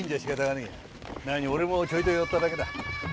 なに俺もちょいと寄っただけだ。